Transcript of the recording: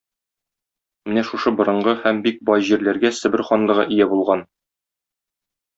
Менә шушы борынгы һәм бик бай җирләргә Себер ханлыгы ия булган.